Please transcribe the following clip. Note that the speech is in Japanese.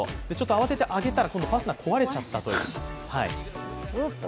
慌てて上げたら、ファスナー、壊れちゃったという。